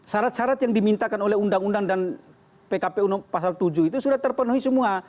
syarat syarat yang dimintakan oleh undang undang dan pkpu pasal tujuh itu sudah terpenuhi semua